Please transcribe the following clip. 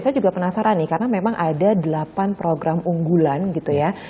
saya juga penasaran nih karena memang ada delapan program unggulan gitu ya